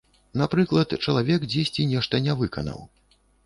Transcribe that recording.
Напрыклад, чалавек дзесьці нешта не выканаў.